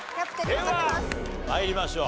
では参りましょう。